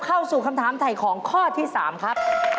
เข้าสู่คำถามถ่ายของข้อที่๓ครับ